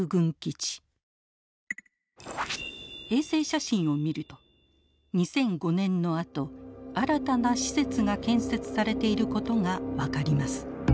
衛星写真を見ると２００５年のあと新たな施設が建設されていることが分かります。